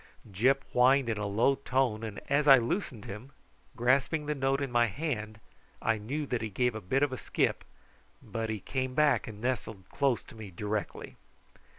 Gyp whined in a low tone, and as I loosened him, grasping the note in my hand, I knew that he gave a bit of a skip, but he came back and nestled close to me directly.